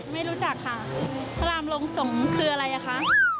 ไม่รู้จักค่ะพระรามลงสงฆ์คืออะไรอ่ะคะ